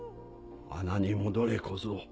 穴に戻れ小僧。